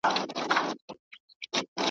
دغه زما غيور ولس دی ,